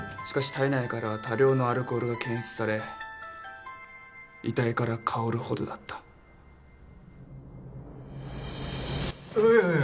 しかし体内からは多量のアルコールが検出され遺体から香るほどだったいや